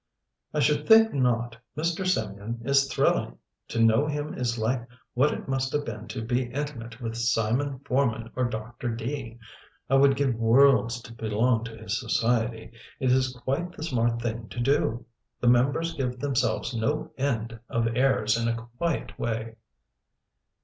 "I should think not. Mr. Symeon is thrilling. To know him is like what it must have been to be intimate with Simon Forman or Dr. Dee. I would give worlds to belong to his society. It is quite the smart thing to do. The members give themselves no end of airs in a quiet way."